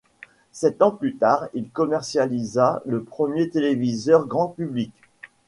Sept ans plus tard il commercialisa le premier téléviseur grand public.